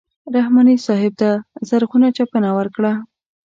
رحماني صاحب ته زرغونه چپنه ورکړه.